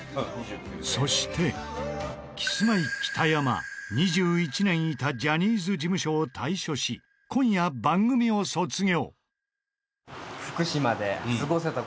そしてキスマイ北山２１年いたジャニーズ事務所を退所し今夜番組を卒業。